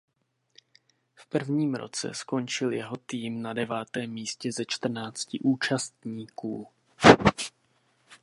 V prvním roce skončil jeho tým na devátém místě ze čtrnácti účastníků.